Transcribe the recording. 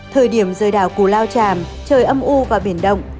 thời điểm rơi đảo cù lao tràm trời âm u và biển động